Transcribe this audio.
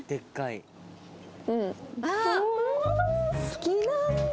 好きなんだ！